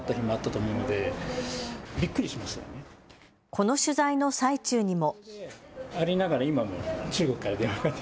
この取材の最中にも。